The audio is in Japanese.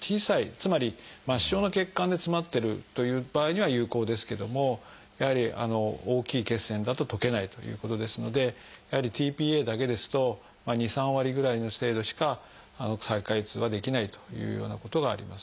つまり末しょうの血管で詰まってるという場合には有効ですけどもやはり大きい血栓だと溶けないということですのでやはりｔ−ＰＡだけですと２３割ぐらいの程度しか再開通はできないというようなことがあります。